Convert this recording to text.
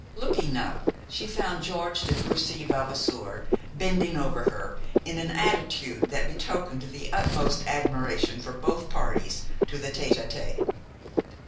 Looking up, she found George de Courcy Vavasour bending over her in an attitude that betokened the utmost admiration for both parties to the tête à tête.